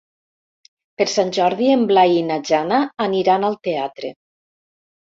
Per Sant Jordi en Blai i na Jana aniran al teatre.